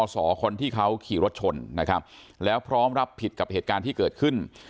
คนที่เขาขี่รถชนนะครับแล้วพร้อมรับผิดกับเหตุการณ์ที่เกิดขึ้น